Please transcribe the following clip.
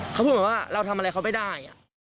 เขาพูดเหมือนว่าเราทำอะไรเขาไม่ได้